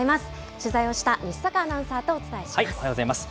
取材をした西阪アナウンサーとお伝えしおはようございます。